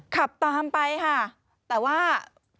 ขับตามไปค่ะแต่ว่า